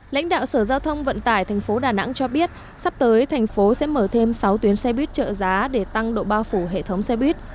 lãnh đạo sở giao thông vận tải tp đà nẵng cho biết sắp tới thành phố sẽ mở thêm sáu tuyến xe buýt trợ giá để tăng độ bao phủ hệ thống xe buýt